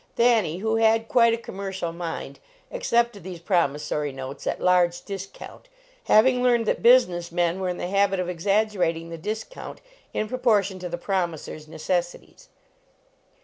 Thanny, who had quite a commercial mind, accepted these promissory notes at large discount, having learned that business men were in the habit of exaggerating the discount in proportion to the promisor s necessities.